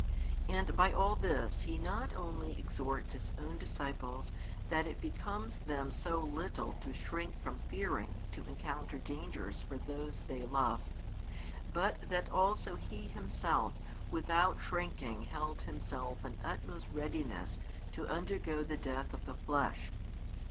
And by all this He not only exhorts His own disciples that it becomes them so little to shrink from fearing to encounter dangers for those they love, but that also He Himself without shrinking held Himself in utmost readiness to undergo the death of the flesh.